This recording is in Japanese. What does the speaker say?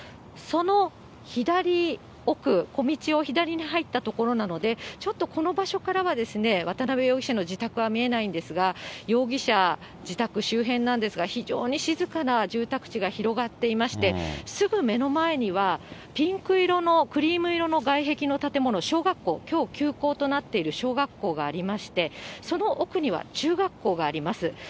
その左奥、小道を左に入った所なので、ちょっとこの場所からは渡辺容疑者の自宅は見えないんですが、容疑者自宅周辺なんですが、非常に静かな住宅地が広がっていまして、すぐ目の前にはピンク色のクリーム色の外壁の建物、小学校、きょう休校となっている小学校がありまして、その奥には中学校があります。